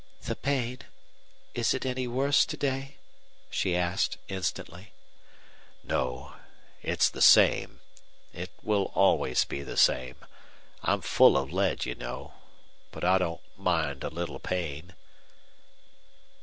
"The pain Is it any worse to day?" she asked, instantly. "No; it's the same. It will always be the same. I'm full of lead, you know. But I don't mind a little pain."